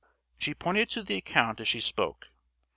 She pointed to the account as she spoke.